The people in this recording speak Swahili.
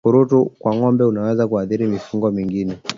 Ugonjwa wa ukurutu kwa ngombe unaweza kuathiri mifugo mingine